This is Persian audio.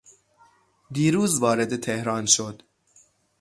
دیروز وارد تهران شد.